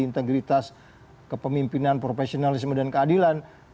integritas kepemimpinan profesionalisme dan keadilan